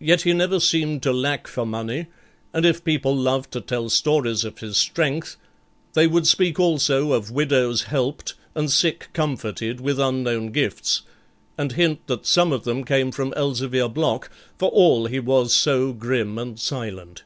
Yet he never seemed to lack for money; and if people loved to tell stories of his strength, they would speak also of widows helped, and sick comforted with unknown gifts, and hint that some of them came from Elzevir Block for all he was so grim and silent.